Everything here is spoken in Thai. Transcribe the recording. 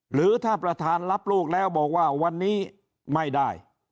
หรือถ้าประธานรับลูกแล้วบอกว่าวันนี้ไม่ได้